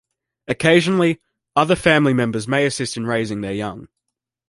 Occasionally, other family members may assist in raising their young.